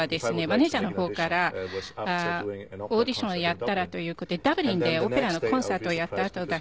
マネジャーの方から「オーディションをやったら？」という事でダブリンでオペラのコンサートをやったあとだったんです。